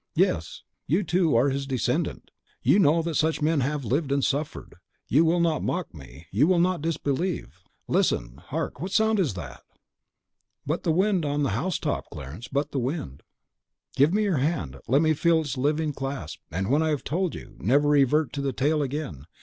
"Yes, you, too, are his descendant; you know that such men have lived and suffered; you will not mock me, you will not disbelieve! Listen! hark! what sound is that?" "But the wind on the house top, Clarence, but the wind." "Give me your hand; let me feel its living clasp; and when I have told you, never revert to the tale again.